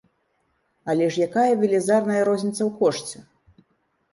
Але ж якая велізарная розніца ў кошце!